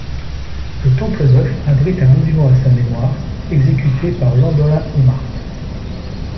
Le Temple-Neuf abrite un monument à sa mémoire, exécuté par Landolin Ohmacht.